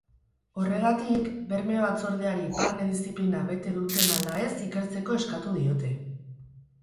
Horregatik, berme batzordeari barne diziplina bete duten ala ez ikertzeko eskatu diote.